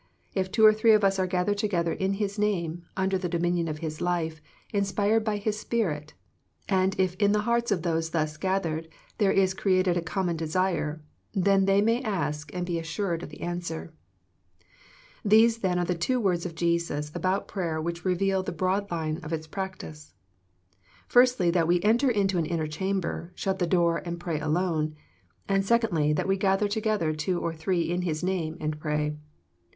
1 If two or three of us are gathered together in His / name, under the dominion of His life, inspired by \ His Spirit, and if in the hearts of those thus gath j ered there is created a common desire, then they \ may ask and be assured of the answer. * These then are the two words of Jesus about prayer which reveal the broad lines of its practice. Firstly that we enter into an inner chamber, shut the door, and pray alone ; and secondly, that we gather together two or three in His name and pray.